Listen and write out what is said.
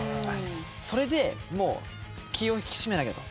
それで気を引き締めなきゃと。